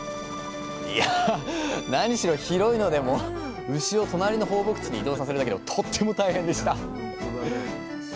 いや何しろ広いので牛を隣の放牧地に移動させるだけでもとっても大変でした！